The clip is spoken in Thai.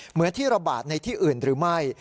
เหมือนที่ระบาดในที่อื่นหรือไม่